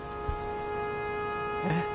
えっ？